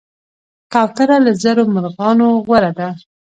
کوتره له زرو مرغانو غوره ده.